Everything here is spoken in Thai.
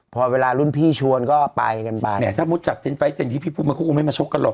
พอเวลารุ่นพี่ชวนก็ไปกันไปแหมถ้าเมื่อจากเจนไฟท์เจนที่พี่พุ่มก็คงไม่มาชกกันหรอก